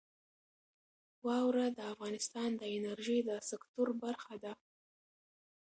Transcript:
واوره د افغانستان د انرژۍ د سکتور برخه ده.